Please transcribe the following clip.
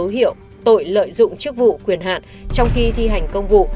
hành vi của đoàn vĩnh nam có dấu hiệu tội lợi dụng chức vụ quyền hạn trong khi thi hành công vụ